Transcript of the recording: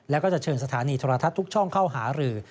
แล้วก็จะเชิญสถานีโทรทัศน์ทุกช่องเข้าหารือ